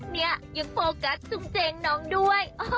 เนี่ยยังโฟกัสจุ่มเจงน้องด้วย